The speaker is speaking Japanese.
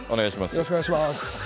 よろしくお願いします。